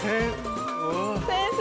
先生！